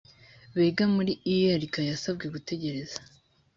biga muri ulk yasabwe gutegereza